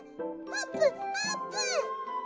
あぷんあーぷん！